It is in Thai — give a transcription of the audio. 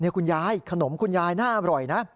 คุณยายขนมคุณยายน่าอร่อยนะ